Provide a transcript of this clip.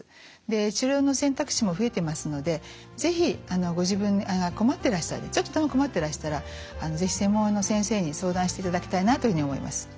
治療の選択肢も増えていますので是非ちょっとでも困ってらしたら是非専門の先生に相談していただきたいなというふうに思います。